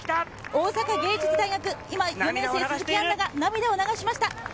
大阪芸術大学、４年生・鈴木杏奈が涙を流しました。